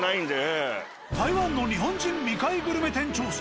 台湾の日本人未開グルメ店調査。